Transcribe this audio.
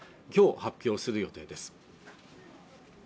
今日発表する予定です